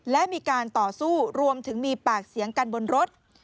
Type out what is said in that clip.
และมีการต่อสู้รวมถึงมีปากเสียงกันบนรถ